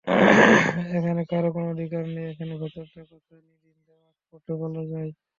এখানে কারও কোনো অধিকার নেই, এখানে ভেতরটার কথা নির্দ্বিধায় অকপটে বলা যায়।